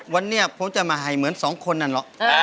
วันนี้ผมจะมาให้เหมือนสองคนนั่นแหละ